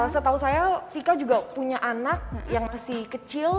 setahu saya vika juga punya anak yang masih kecil